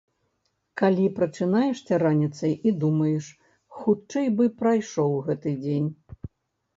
Калі прачынаешся раніцай і думаеш, хутчэй бы прайшоў гэты дзень.